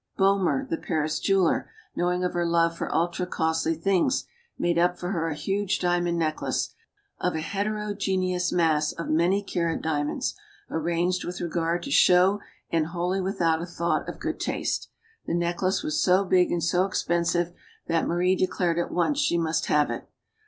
Boehmer, the Paris jeweler, knowing of her love for ultra costly things, made up for her a huge diamond necklace, of a heterogeneous mass of many carat diamonds, arranged with regard to show and wholly without a thought of good taste. The necklace was so big and so expensive that Marie declared at once she must have it.